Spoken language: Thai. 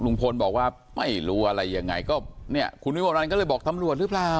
ลุงพลบอกว่าไม่รู้อะไรยังไงก็เนี่ยคุณวิมวลวันก็เลยบอกตำรวจหรือเปล่า